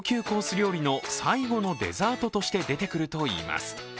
料理の最後のデザートして出てくるといいます。